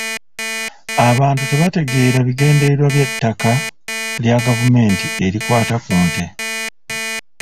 Abantu tebategeera bigendererwa by'etteeka lya gavumenti erikwata ku nte,